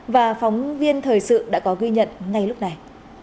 và phóng viên thời sự đã có ghi nhận ngay lúc này